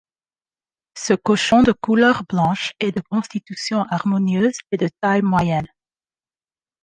Ce cochon de couleur blanche est de constitution harmonieuse et de taille moyenne.